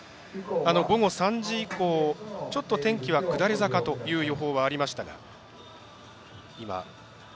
午後３時以降ちょっと天気は下り坂という予報はありましたが。